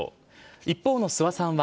一方の諏訪さんは、